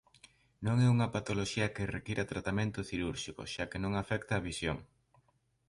Non é unha patoloxía que requira tratamento cirúrxico xa que non afecta a visión.